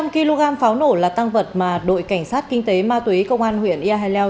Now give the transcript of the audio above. bốn trăm linh kg pháo nổ là tăng vật mà đội cảnh sát kinh tế ma tuy công an huyện ea hà leo